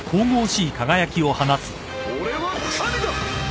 俺は神だ！